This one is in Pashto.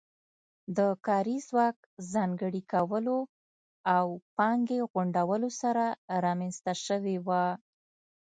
د کاري ځواک ځانګړي کولو او پانګې غونډولو سره رامنځته شوې وه